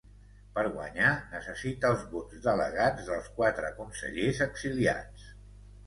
Per guanyar, necessita els vots delegats dels quatre consellers exiliats.